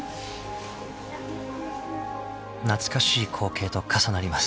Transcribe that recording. ［懐かしい光景と重なります］